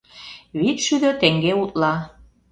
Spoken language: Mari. Вич шӱдӧ теҥге утла.